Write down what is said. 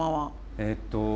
えっと